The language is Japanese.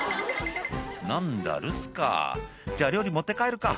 「何だ留守かじゃあ料理持って帰るか」